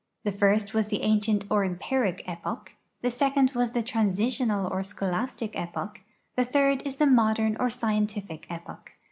The first was the ancient or empiric e{)Och ; the second was the transitional or scholastic epoch ; the third is the modern or scientific epoch.